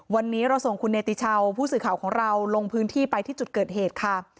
วันนี้เราส่งคุณเนติชาวผู้สื่อข่าวของเราลงพื้นที่ไปที่จุดเกิดเหตุค่ะ